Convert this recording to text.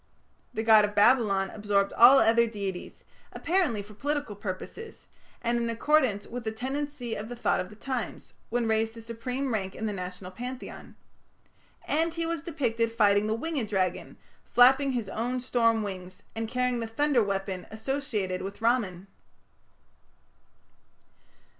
The god of Babylon absorbed all other deities, apparently for political purposes, and in accordance with the tendency of the thought of the times, when raised to supreme rank in the national pantheon; and he was depicted fighting the winged dragon, flapping his own storm wings, and carrying the thunder weapon associated with Ramman.